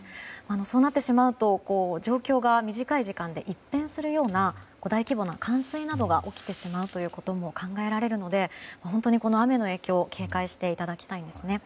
そうなってしまうと状況が短い時間で一転するような大規模な冠水などが起きてしまうということも考えられるので本当にこの雨の影響警戒していただきたいんですね。